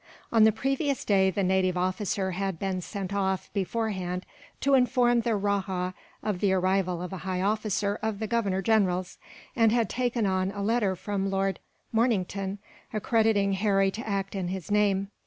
On the previous day the native officer had been sent on, beforehand, to inform the rajah of the arrival of a high officer of the Governor General's; and had taken on a letter from Lord Mornington, accrediting Harry to act in his name.